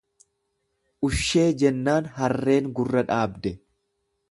Ushee jennaan harreen gurra dhaabde.